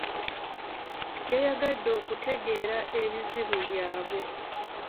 Yayagadde okutegeera ebizibu byabwe.